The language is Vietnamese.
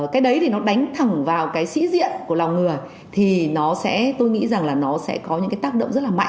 cái đấy thì nó đánh thẳng vào cái sĩ diện của lòng người thì nó sẽ tôi nghĩ rằng là nó sẽ có những cái tác động rất là mạnh